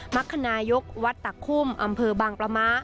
มรรคนายกวัดตะคุ่มอำเภอบางประมะ